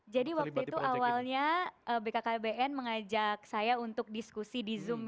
jadi waktu itu awalnya bkkbn mengajak saya untuk diskusi di zoom ya